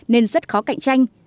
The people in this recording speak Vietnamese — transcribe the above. nên rất khó cạnh tranh